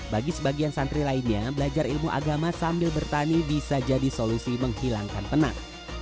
bagi sebagian santri lainnya belajar ilmu agama sambil bertani bisa jadi solusi menghilangkan penat